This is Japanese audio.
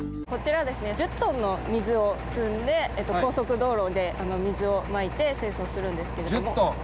こちらですね１０トンの水を積んで高速道路で水を撒いて清掃するんですけれども。